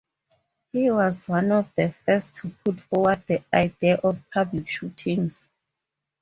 He was one of the first to put forward the idea of public shootings.